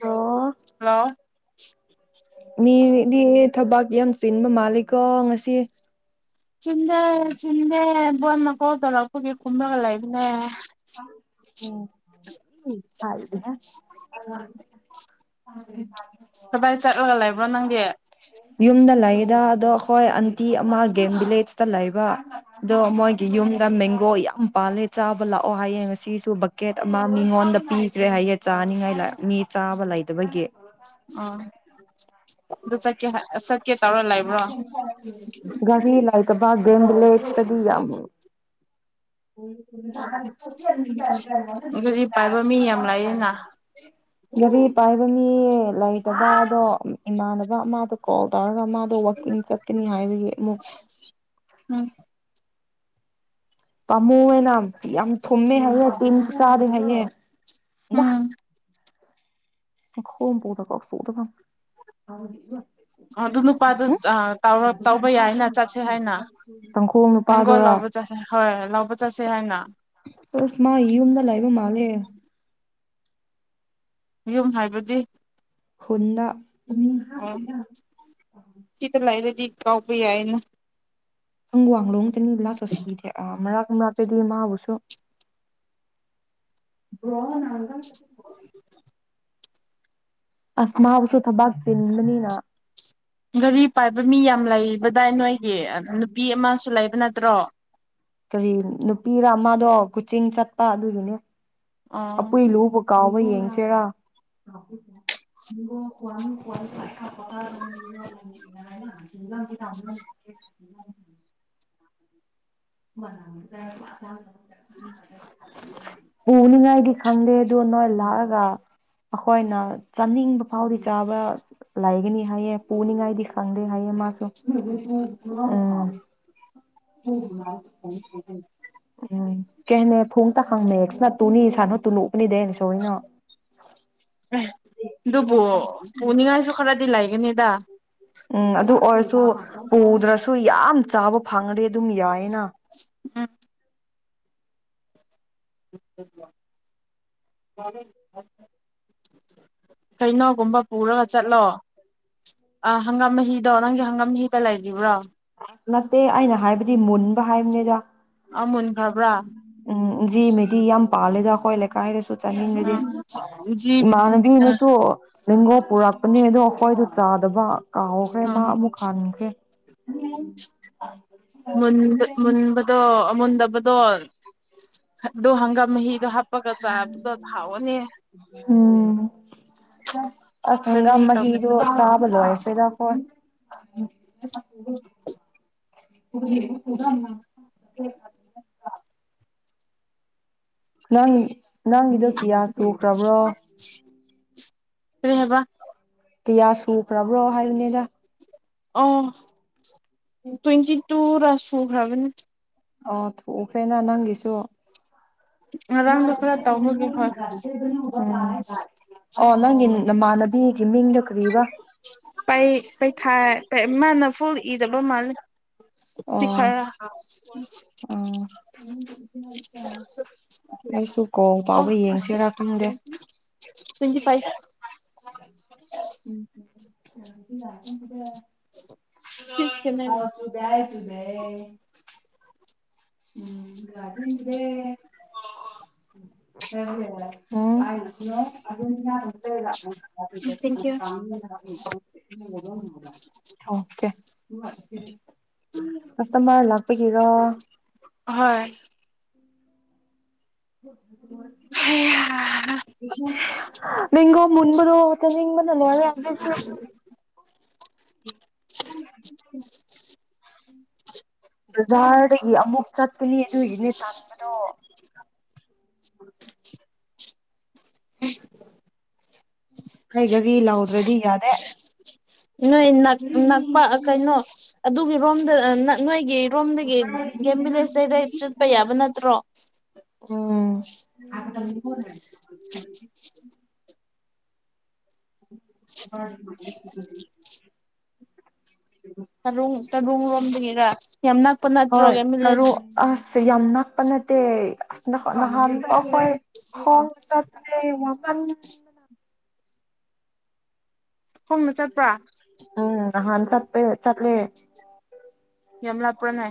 ꯑꯣ ꯍꯜꯂꯣ [unintelligible] ꯃꯤꯗꯤ ꯊꯕꯛ ꯌꯥꯝ ꯆꯤꯟꯕ ꯃꯥꯜꯂꯦꯀꯣ ꯉꯁꯤ ꯆꯤꯟꯗꯦ ꯆꯤꯟꯗꯦ ꯃꯔꯨꯞ ꯑꯃ ꯀꯣꯜ ꯇꯧꯔꯛꯄꯒꯤ ꯀꯨꯝꯂꯒ ꯂꯩꯕꯅꯦ ꯑ ꯍꯔꯤ ꯑ ꯑꯗꯤ ꯀꯗꯥꯏ ꯆꯠꯂꯒ ꯂꯩꯕ꯭ꯔꯣ ꯅꯪꯗꯤ ꯌꯨꯝꯗ ꯂꯩꯗ ꯑꯗꯣ ꯑꯩꯈꯣꯏ ꯑꯟꯇꯤ ꯑꯃ ꯒꯦꯝ ꯚꯤꯂꯦꯖꯇ ꯂꯩꯕ ꯑꯗꯣ ꯃꯣꯏꯒꯤ ꯌꯨꯝꯗ ꯃꯦꯡꯒꯣ ꯌꯥꯝ ꯄꯥꯜꯂꯦ ꯆꯥꯕ ꯂꯥꯛ ꯑꯣ ꯍꯥꯏꯌꯦ ꯉꯁꯤꯁꯨ ꯕꯛꯀꯦꯠ ꯑꯃ ꯃꯤꯉꯣꯟꯗ ꯄꯤꯈꯔꯦ ꯍꯥꯏꯌꯦ ꯆꯥꯅꯤꯡꯉꯥꯏ ꯃꯤ ꯆꯥꯕ ꯂꯩꯗꯕꯒꯤ ꯑꯥ ꯑꯗꯨ ꯆꯠꯀꯦ ꯆꯠꯀꯦ ꯇꯧꯔ ꯂꯩꯕ꯭ꯔꯣ ꯒꯥꯔꯤ ꯂꯩ ꯇꯕ ꯒꯦꯝ ꯚꯤꯂꯦꯖꯇꯗꯤ ꯌꯥꯝ ꯒꯥꯔꯤ ꯄꯥꯏꯕ ꯃꯤ ꯌꯥꯝ ꯂꯥꯛꯅ ꯔꯤ ꯄꯥꯏꯕ ꯃꯤ ꯂꯥꯏꯛ ꯇꯕꯥꯗ ꯃꯥꯅ ꯃꯥ ꯀꯣꯜꯗ ꯃꯥꯗꯣ ꯋꯥꯀꯤ ꯁꯇꯅꯤ ꯍꯥꯏꯕ ꯎꯝ ꯄꯥꯃꯨ ꯍꯥꯏꯅ ꯌꯥꯝ ꯊꯨꯝꯃꯦ ꯍꯥꯏꯌꯦꯦ ꯇꯤꯟꯁꯨ ꯆꯥꯔꯦ ꯍꯥꯏꯌꯦꯦ ꯗ ꯎꯝ ꯍ ꯄꯗ ꯀ ꯁꯗ ꯑꯗꯨ ꯅꯨꯄꯥꯗ ꯇꯧꯕ ꯌꯥꯏꯅ ꯆꯠꯁꯦ ꯍꯥꯏꯅ ꯇꯥꯡꯈꯣꯜ ꯃꯦꯡꯒꯣꯜ ꯅꯨꯄꯥꯗꯨꯔꯥ ꯂꯧꯕ ꯆꯠꯁꯦ ꯍꯣꯏ ꯂꯧꯕ ꯆꯠꯁꯦ ꯍꯥꯏꯅ ꯑꯁ ꯃꯥꯒꯤ ꯌꯨꯝꯗ ꯂꯩꯕ ꯃꯥꯜꯂꯦ ꯌꯨꯝ ꯍꯥꯏꯕꯗꯤ ꯀ ꯎꯝ ꯀꯇ ꯂꯥꯏꯔꯦ ꯆꯀꯥꯎꯕꯤ ꯌꯥꯏꯅ ꯁꯪꯒ ꯋꯥꯡꯣ ꯎꯜꯂꯥꯁꯁꯤ ꯃ ꯅꯥ ꯀꯦꯗꯤ ꯃꯥꯕꯨꯁꯨ ꯑꯁ ꯃꯥꯎꯁꯨꯣ ꯊꯕꯥꯛꯇꯦꯅꯤꯗꯅꯤꯅ ꯒꯥꯔꯤ ꯄꯥꯏꯕ ꯃꯤ ꯌꯥꯝ ꯂꯩꯕꯗꯥꯏ ꯅꯣꯏꯒꯤ ꯅꯨꯄꯤ ꯑꯃꯁꯨ ꯂꯩꯕ ꯅꯠꯇ꯭ꯔꯣ ꯀꯔꯤ ꯅꯨꯄꯤꯔ ꯑꯃꯗꯣ ꯀꯨꯆꯤꯡ ꯆꯠꯄ ꯑꯗꯨꯒꯤꯅꯦ ꯑꯣ ꯑꯣꯏ ꯂꯨ ꯄ ꯀꯥꯎꯕ ꯌꯦꯡꯁꯤꯦꯔꯥ ꯋꯥꯡ ꯀꯋꯥ ꯄꯄ [inaudible] [inaudible] ꯎꯅꯤꯡꯉꯥꯏꯗꯤ ꯈꯪꯗꯦ ꯑꯗꯨ ꯅꯣꯣꯏ ꯂꯑꯒ ꯑꯩꯈꯣꯏꯅ ꯆꯥꯅꯤꯡꯕ ꯐꯥꯎꯗꯤ ꯆꯥꯕ ꯂꯩꯒꯅꯤ ꯍꯥꯏꯌꯦ ꯄꯨꯅꯤꯡꯉꯥꯏꯗꯤ ꯈꯪꯗꯦ ꯍꯥꯏꯌꯦ ꯃꯥꯁꯨ ꯎꯝ ꯀꯅꯦ ꯐꯣꯡ ꯇ ꯍꯪ ꯃꯦꯛꯁꯅ ꯇꯨꯅꯤ ꯁꯥꯟꯅꯣ ꯇꯨꯅꯨ ꯎꯄꯅꯤꯗꯦꯅ ꯁꯣꯏꯅ ꯑꯗꯨꯕꯨ ꯄꯨꯅꯤꯡꯉꯥꯏꯁꯨ ꯈꯔꯗꯤ ꯂꯩꯒꯅꯤꯗ ꯎꯝ ꯑꯗꯨ ꯑꯣꯏꯔꯁꯨ ꯄꯨꯗ꯭ꯔꯁꯨ ꯌꯥꯝ ꯆꯥꯕ ꯐꯪꯦ ꯑꯗꯨ ꯇꯝ ꯌꯥꯏꯅ ꯎꯝ ꯀꯩꯅꯣꯒꯨꯝꯕ ꯄꯨꯔꯒ ꯆꯠꯂꯣ ꯑ ꯍꯪꯒꯥꯝ ꯃꯍꯤꯗꯧꯔꯪꯒꯤ ꯍꯪꯒꯥꯝꯍꯤꯗ ꯂꯩ ꯌꯈꯤꯕ꯭ꯔꯣ ꯅꯠꯇꯦ ꯑꯩꯅ ꯍꯥꯏꯕꯗꯤ ꯃꯨꯟꯕ ꯍꯥꯏꯕꯅꯤꯗ ꯑꯥ ꯃꯨꯟꯈ꯭ꯔꯕ꯭ꯔꯥ ꯎꯝ ꯖꯤ ꯃꯦꯗꯤ ꯌꯥꯝ ꯌꯥꯝ ꯄꯥꯂꯦꯒ [unintelligible] ꯆꯥꯅꯤꯡꯉꯗꯤ ꯖꯤ ꯏꯃꯥꯟꯅꯕꯤꯅꯁꯨ ꯂꯦꯡꯒꯣ ꯄꯨꯔꯛꯄꯅꯦ ꯑꯗꯣ ꯑꯩꯈꯣꯏꯗ ꯆꯥꯗꯕ ꯀꯥꯎꯍꯧꯈ꯭ꯔꯦ ꯃꯥ ꯑꯃꯨꯛ ꯍꯟꯈ꯭ꯔꯦ ꯎꯝ ꯃꯨꯟꯕ ꯃꯟꯗꯨ ꯗꯣ ꯍꯪꯒꯥꯝ ꯃꯍꯤꯗ ꯍꯥꯄ ꯎꯝ ꯑꯁ ꯍꯪꯒꯥꯝ ꯆꯠꯅꯤ ꯃꯍꯤꯘꯗ ꯇꯧꯕꯗ ꯆꯥꯕ ꯂꯣꯏꯈꯔꯦꯗ ꯑꯩꯈꯣꯏ ꯄꯨ ꯅꯪ ꯅꯪꯒꯤꯗꯣ ꯀꯌꯥ [unintelligible] [inaudible] ꯀꯔꯤ ꯍꯥꯏꯕ ꯀꯌꯥ ꯁꯨꯈꯔꯕ꯭ꯔꯣ ꯍꯥꯏꯕꯅꯤꯗ ꯑ ꯇ꯭ꯣꯏꯟꯇꯤ ꯇꯨꯔꯥ ꯁꯨ ꯈꯔꯕꯅꯤ ꯑ ꯊꯨꯈ꯭ꯔꯦꯅ ꯅꯪꯒꯤꯗꯨ ꯌꯥ ꯉꯔꯥꯡꯗꯣ ꯈꯔ ꯇꯧꯕꯒꯤ ꯍꯣꯏ [unintelligible] ꯑꯣ ꯅꯪꯒꯤ ꯅꯃꯥꯟꯅꯕꯤꯒꯤ ꯃꯤꯡꯗꯨ ꯄꯩ ꯄꯩꯊꯥꯏ ꯃꯥꯅ ꯐꯨꯜ ꯏꯗꯕ ꯃꯥꯜꯂꯦ ꯁꯤ ꯑꯣ ꯑ ꯈꯔ ꯑꯩꯁꯨ ꯀꯣ ꯑꯣ ꯐꯥꯎꯕ ꯑꯁꯤ ꯌꯦꯡꯁꯤꯔꯥ ꯈꯪꯗꯦ ꯇ꯭ꯋꯦꯟꯇꯤ ꯐꯥꯏꯚ ꯎꯝ ꯁꯤꯁꯀꯤꯅꯦ ꯑꯥꯎ ꯆꯨꯗꯦ ꯍꯥꯏꯏ ꯆꯨꯗꯦ ꯎꯝ ꯎꯝ ꯊꯦꯡꯀ꯭ꯌꯨ ꯦ [unintelligible] ꯀꯁꯇꯃꯥꯔ ꯂꯥꯛꯞ ꯄ ꯒꯤꯔꯥ ꯍꯣꯏ ꯎꯝ ꯃꯤꯒꯣ ꯃꯟꯕꯗꯅꯤꯡꯕ ꯅꯔ [unintelligible] ꯍ ꯕꯖꯥꯔꯗꯒꯤ ꯑꯃꯨꯛ ꯆꯠꯄꯅꯤ ꯑꯗꯨꯒꯤꯅꯦ ꯇꯟꯕꯗꯣ ꯎ ꯎꯝ ꯀꯔꯤ ꯀꯔꯤ ꯂꯥꯎꯗ꯭ꯔꯗꯤ ꯌꯥꯗꯦ ꯅꯣꯏ ꯅꯛꯄ ꯀꯩꯅꯣ ꯑꯗꯨꯒꯤ ꯔꯣꯝꯗ ꯅꯣꯏꯒꯤ ꯔꯣꯝꯗꯒꯤ ꯒꯦꯝ ꯚꯂꯦꯖꯇꯩꯗ ꯆꯠꯄ ꯌꯥꯕ ꯅꯠꯇ꯭ꯔꯣ ꯎꯝ ꯑ ꯑ ꯇꯔꯨꯡ ꯇꯔꯨꯡꯔꯣꯝꯗꯒꯤꯔ ꯌꯥꯝ ꯅꯛꯄ ꯍꯣꯏ ꯅꯠꯇ꯭ꯔꯣꯒꯦ ꯊꯔꯨ ꯃꯤꯂꯦꯖ ꯑꯁ ꯌꯥꯝ ꯅꯛꯄ ꯅꯠꯇꯦ ꯑꯁ ꯅꯍꯥꯟꯈꯣꯏ ꯍ ꯆꯦ ꯋꯥꯐꯝꯟ ꯈꯣꯣꯡꯅ ꯆꯠꯄ꯭ꯔꯥ ꯍꯥꯟ ꯆꯠꯄꯦ ꯆꯠꯂ ꯌꯂꯄꯔꯅ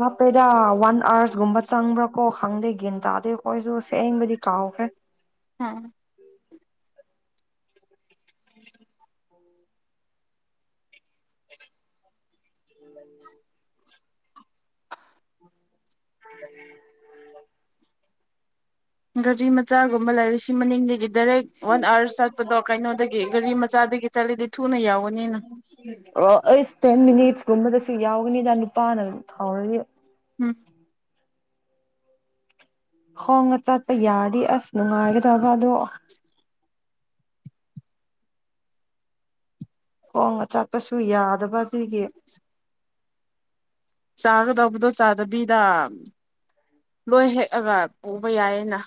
ꯂ ꯀꯩꯗ ꯋꯥꯟ ꯑꯥꯋꯔꯁꯒꯨꯝꯕ ꯆꯪꯕ꯭ꯔꯥ ꯀꯣ ꯈꯪꯗꯦ ꯒꯤꯅꯇꯥꯗ ꯀꯁꯨ ꯁꯦꯡꯕꯗꯤ ꯀꯥꯎ ꯐꯦ ꯑ ꯎ ꯎ ꯒꯥꯔꯤ ꯃꯆꯥꯒꯨꯝꯕ ꯂꯩꯔꯨ ꯁꯤ ꯃꯅꯤꯡꯗꯒꯤꯗꯤ ꯗꯥꯏꯔꯦꯛ ꯋꯥꯟ ꯑꯥꯋꯥꯔ ꯆꯠꯄꯗꯣ ꯀꯩꯅꯣꯗꯒꯤ ꯒꯥꯔꯤ ꯃꯆꯥꯗꯒꯤ ꯆꯠꯂꯤꯗꯤ ꯊꯨꯅ ꯌꯥꯎꯒꯅꯤꯅ ꯁꯨ ꯌꯥꯎꯒꯅꯤꯗ ꯅꯨꯄꯥꯅ ꯑꯗꯨꯝ ꯐꯥꯎꯔꯗꯤ ꯎꯝ ꯍꯣꯡꯉ ꯆꯠꯄ ꯌꯥꯗꯤ ꯑꯁ ꯅꯨꯡꯉꯥꯏꯒꯗ ꯇꯕꯗꯣ ꯈꯣꯡ ꯑ ꯆꯥꯛꯄꯁꯨ ꯌꯥꯗꯕ ꯑꯩꯒꯤ ꯆꯥꯒꯗꯧꯕꯗꯣ ꯆꯥꯗꯕꯤꯗ ꯂꯣꯏ ꯍꯦꯛꯑꯒ ꯄꯨꯕ ꯌꯥꯏꯌꯦꯅ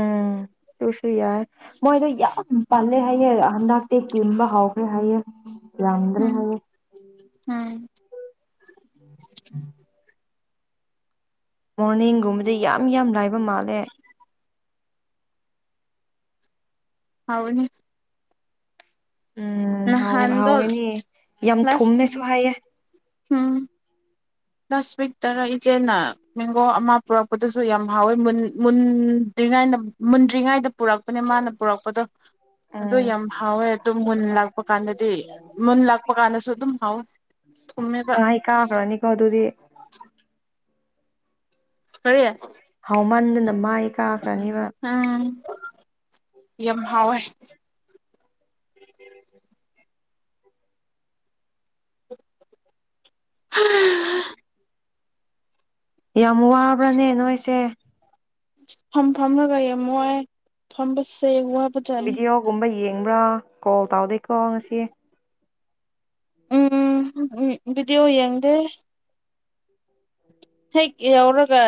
ꯎꯝ ꯇꯁꯨ ꯌꯥꯏ ꯃꯣꯏꯗꯣ ꯌꯥꯝ ꯄꯜꯂꯦ ꯍꯥꯏꯌꯦ ꯍꯟꯗꯛꯇꯤ ꯀꯤꯟꯕ ꯍꯧꯥꯎꯈ꯭ꯔꯦ ꯍꯥꯏꯌꯦꯦ ꯂꯗ꯭ꯔꯦ ꯎꯝ ꯍꯥꯏꯕ ꯎꯝ ꯎꯝ ꯎꯝ ꯃꯣꯔꯅꯤꯡꯒꯨꯝꯕꯗꯤ ꯌꯥꯝ ꯂꯥꯏ ꯑꯗꯨ ꯃꯥꯂꯦ ꯍꯥꯎꯅꯦ ꯎꯝ ꯍꯥꯎꯋ ꯅꯍꯥꯟꯗꯣ ꯍꯥꯎꯋꯦꯅꯦ ꯌꯥꯝ ꯂꯥꯁ ꯊꯨꯝꯃꯦꯁꯨ ꯍꯥꯏꯌꯦꯦ ꯎꯝ ꯂꯥꯁ ꯋꯤꯛ ꯇꯔ ꯏꯆꯦꯅ ꯃꯦꯡꯒꯣ ꯑꯃ ꯄꯨꯔꯛꯄꯗꯨꯁꯨ ꯌꯥꯝ ꯍꯥꯎꯋꯦ ꯃꯨꯟꯗ꯭ꯔꯤꯉꯩꯗ ꯃꯨꯟꯗ꯭ꯔꯤꯉꯩꯗ ꯄꯨꯔꯛꯄꯅꯦ ꯃꯥꯅ ꯄꯨꯔꯛꯄꯗꯣ ꯑꯗꯨ ꯎꯝ ꯌꯥꯝ ꯍꯥꯎꯋꯦ ꯑꯗꯨꯝ ꯃꯨꯟ ꯂꯥꯛꯄ ꯀꯥꯟꯗꯗꯤ ꯃꯨꯟ ꯂꯥꯛꯄ ꯀꯥꯟꯗꯁꯨ ꯑꯗꯨꯝ ꯍꯥꯎꯋꯦ ꯊꯨꯝꯃꯦꯕ ꯃꯥꯏ ꯀꯥꯈ꯭ꯔꯅꯤꯀꯣ ꯑꯗꯨꯗꯤ ꯀꯔꯤ ꯍꯧꯃꯟꯗꯅ ꯃꯥꯏ ꯀꯥ ꯐ꯭ꯔꯅꯤꯕ ꯎꯝ ꯌꯥꯝ ꯍꯥꯎꯋꯦ [unintelligible] [unintelligible] ꯌꯥꯝ ꯋꯥꯕ꯭ꯔꯅꯦ ꯅꯣꯏꯁꯦ ꯐꯝ ꯐꯝꯂꯒ ꯌꯦꯝꯃꯣꯏ ꯐꯝꯕꯁꯦ ꯋꯥ ꯕꯤꯗꯣꯌꯣ ꯒꯨꯝꯕ ꯌꯦꯡꯕ꯭ꯔꯥ ꯀꯣꯜ ꯇꯥꯎꯗꯦꯀꯣ ꯉꯁꯤ ꯎꯝ ꯕꯤꯗꯤꯌꯣ ꯌꯦꯡꯗꯦ ꯍꯦꯛ ꯌꯧꯔꯒ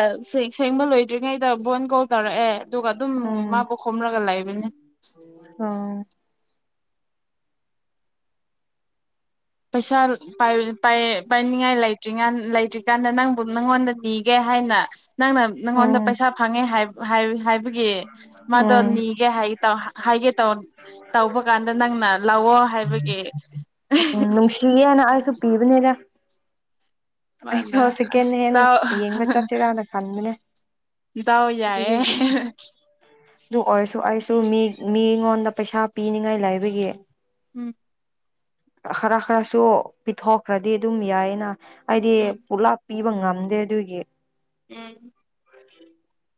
ꯁꯦꯡꯕ ꯂꯣꯏꯗ꯭ꯔꯤꯉꯩꯗ ꯕꯣꯟ ꯒꯣꯜ ꯇꯧꯔꯛꯑꯦ ꯑꯗꯨꯒ ꯑꯗꯨꯝ ꯎꯝ ꯃꯥꯕꯨ ꯈꯨꯝꯂꯒ ꯂꯩꯕꯅꯤ ꯑꯣ ꯄꯩꯁꯥ [unintelligible] ꯄꯥꯏꯌꯦ ꯄꯥꯏꯅꯤꯡꯉꯥꯏ ꯂꯩꯇ꯭ꯔꯤꯉꯥꯟ ꯂꯩꯇ꯭ꯔꯤꯀꯥꯟꯗ ꯅꯪꯕꯨ ꯅꯪꯉꯣꯟꯗ ꯄꯤꯒꯦ ꯍꯥꯏꯅ ꯅꯪꯅ ꯅꯪꯉꯣꯟꯗ ꯎꯝ ꯄꯩꯁꯥ ꯐꯪꯉꯦ ꯍꯥꯏꯕꯒꯤ ꯃꯥꯗꯣ ꯎꯝ ꯅꯤꯒꯦ ꯍꯥꯏ ꯇꯧ ꯍꯥꯏꯒꯦ ꯇꯧꯕ ꯀꯥꯟꯗ ꯅꯪꯅ ꯂꯥꯛꯑꯣ ꯍꯥꯏꯕꯒꯤ ꯌꯦꯅ ꯑꯩꯁꯨ ꯄꯤꯕꯅꯦ ꯁꯦ ꯃꯥꯅ ꯑꯁ ꯍꯦꯟ ꯇꯥꯎ ꯌꯦꯡꯕ ꯆꯠꯁꯤꯔꯥꯅ ꯈꯟꯕꯅꯦ ꯏꯇꯥꯎ ꯌꯥꯏꯌꯦ ꯑꯗꯨꯗꯒꯤ ꯑꯗꯨ ꯑꯣꯏ ꯑꯩꯁꯨ ꯃꯤ ꯃꯤꯉꯣꯟꯗ ꯄꯩꯁꯥ ꯄꯤꯅꯤꯉꯥꯏ ꯂꯩꯕꯒꯤ ꯎꯝ ꯈꯔ ꯈꯔꯁꯨ ꯄꯤꯊꯣꯛꯈ꯭ꯔꯗꯤ ꯑꯗꯨꯝ ꯌꯥꯏꯅ ꯍꯥꯏꯗꯤ ꯎꯝ ꯄꯨꯂꯥꯛ ꯄꯤꯕ ꯉꯝꯗꯦ ꯑꯗꯨꯒꯤ ꯎꯝ [unintelligible]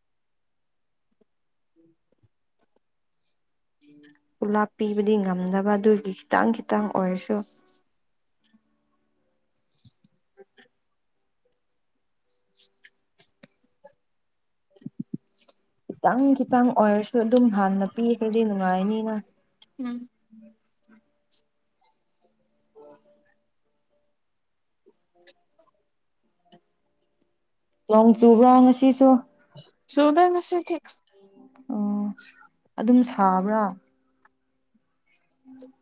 ꯄꯨꯂꯥꯞ ꯄꯤꯕꯗꯤ ꯉꯝꯗꯕ ꯑꯗꯨꯒꯤ ꯈꯤꯇꯪ ꯈꯤꯇꯪ ꯑꯣꯏꯔꯁꯨ ꯈꯤꯇꯪ ꯈꯤꯇꯪ ꯑꯣꯏꯔꯁꯨ ꯑꯗꯨꯝ ꯍꯥꯟꯅ ꯄꯤꯈ꯭ꯔꯗꯤ ꯅꯨꯡꯉꯥꯏꯅꯤꯅ ꯎꯝ ꯅꯣꯡ ꯆꯨꯕ꯭ꯔꯣ ꯉꯁꯤꯁꯨ ꯆꯨꯗꯦ ꯉꯁꯤꯗꯤ ꯑꯣ ꯑꯗꯨꯝ ꯁꯥꯕ꯭ꯔꯥ ꯎꯝ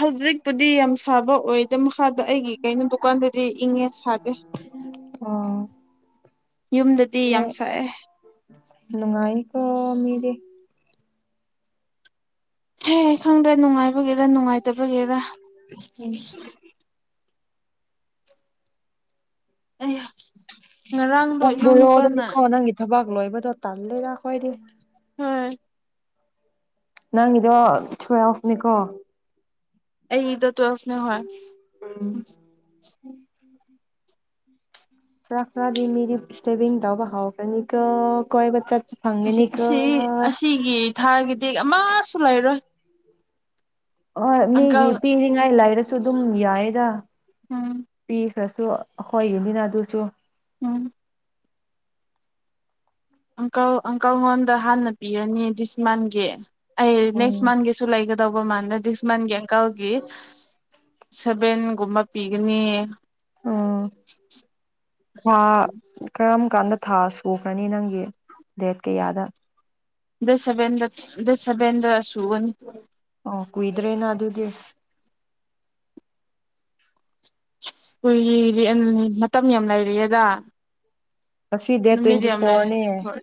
ꯍꯧꯖꯤꯛꯄꯨꯗꯤ ꯌꯥꯝ ꯁꯥꯕ ꯑꯣꯏꯗ ꯁꯥꯗ ꯑꯩꯒꯤ ꯀꯩꯅꯣ ꯗꯨꯀꯥꯟꯗꯗꯤ ꯏꯪꯉꯦ ꯁꯥꯗꯦ ꯑꯣ ꯌꯨꯝꯗꯗꯤ ꯌꯥꯝ ꯁꯛꯑꯦ ꯅꯨꯡꯉꯥꯏꯅꯤꯀꯣ ꯃꯗꯤꯦ ꯍꯦ ꯈꯪꯗ꯭ꯔꯦ ꯅꯨꯡꯉꯥꯏ ꯒꯦꯔ ꯅꯨꯡꯉꯥꯏꯇꯕꯒꯦꯔ ꯑꯩ ꯉꯔꯥꯡꯗꯣ ꯀꯨꯝꯗ ꯑꯣꯗ ꯃꯤ ꯏꯅꯥꯎꯅꯨꯄꯥꯅ ꯀꯣꯅꯒꯤ ꯊ ꯂꯣꯏꯕꯗ ꯇꯥꯗꯗ ꯀꯣꯏꯗ ꯎꯝ ꯅꯪꯤꯗꯣ ꯊꯨ ꯑꯣꯅꯤꯀꯣ ꯑꯩ ꯏ ꯇꯨꯋꯦꯜꯅꯦ ꯍ ꯎꯝ ꯔꯗꯤ ꯃꯗꯤ ꯏꯁꯇꯦꯚꯗꯕ ꯍ ꯀꯅꯤ ꯀ ꯑꯁꯤ ꯑꯁꯤꯒꯤ ꯊꯥꯒꯤꯗꯤꯛ ꯑꯃꯁꯨ ꯂꯩꯔꯣꯏ ꯍ ꯃꯤꯒꯤ ꯑꯪꯀꯜ ꯄꯤꯅꯤꯡꯉꯥꯏ ꯂꯩꯥꯏꯔꯁꯨ ꯑꯗꯨꯝ ꯌꯥꯏꯗ ꯎꯝ ꯄꯤꯈ꯭ꯔꯁꯨ ꯍꯣꯏ ꯌꯅꯤꯅ ꯑꯗꯨꯁꯨ ꯎꯝ ꯑꯪꯀꯜ ꯑꯪꯀꯜꯉꯣꯟꯗ ꯍꯥꯟꯅ ꯄꯤꯔꯅꯤ ꯗꯤꯁꯃꯥꯟꯒꯤ ꯑꯩ ꯅꯦꯛꯁ ꯎꯝ ꯃꯟ ꯦ ꯁꯂꯥꯏꯒꯦ ꯇꯧꯕꯣ ꯃꯥꯟꯗꯗꯤꯁꯃꯥꯟꯒꯦ ꯀꯥꯎꯒꯤ ꯁꯚꯦꯟꯒꯨꯝꯕ ꯄꯤꯒꯅꯤ ꯎꯝ ꯍꯥ ꯀꯔꯝ ꯀꯥꯟꯗ ꯊꯥ ꯁꯨꯈ꯭ꯔꯅꯤ ꯅꯪꯒꯤ ꯗꯦꯠ ꯀꯌꯥꯗ ꯗꯁ ꯁꯕꯦꯟꯗ ꯗꯁ ꯁꯕꯦꯟꯗ ꯁꯨꯕ ꯑꯣ ꯀꯨꯏꯗ꯭ꯔꯅ ꯑ ꯑꯗꯨꯗꯤ ꯀꯨꯏ ꯃꯇꯝ ꯌꯥꯝ ꯂꯩꯔꯤꯑꯦꯗ ꯑꯁꯤꯁꯤ ꯗꯦ ꯇ꯭ꯋꯦꯟꯇꯤ ꯐꯣꯔꯅꯦ ꯍꯥꯏ ꯍꯣꯏ